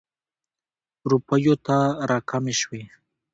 روپیو ته را کمې شوې.